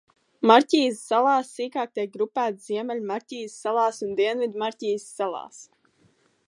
Marķīza salas sīkāk tiek grupētas Ziemeļu Marķīza salās un Dienvidu Marķīza salās.